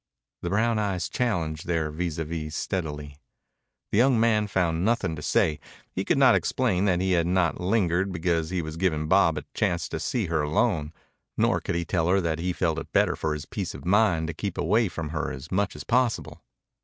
The brown eyes challenged their vis à vis steadily. The young man found nothing to say. He could not explain that he had not lingered because he was giving Bob a chance to see her alone, nor could he tell her that he felt it better for his peace of mind to keep away from her as much as possible.